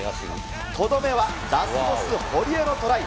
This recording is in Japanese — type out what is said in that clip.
とどめはラスボス、堀江のトライ。